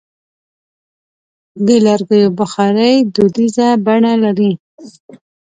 د لرګیو بخاري دودیزه بڼه لري.